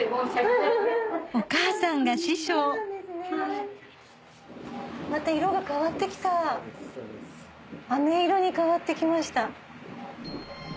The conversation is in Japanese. お母さんが師匠また色が変わってきたあめ色に変わってきました。